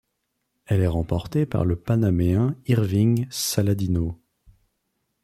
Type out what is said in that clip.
Elle est remportée par le Panaméen Irving Saladino.